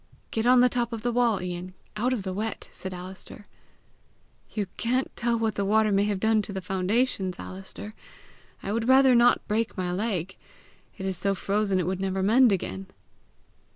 "Get on the top of the wall, Ian, out of the wet," said Alister. "You can't tell what the water may have done to the foundations, Alister! I would rather not break my leg! It is so frozen it would never mend again!"